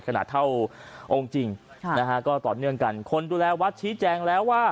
ขนาดเท่าองค์จริงก็ต่อเนื่องกันคนดูแลวัดชี้แจงแล้วว่า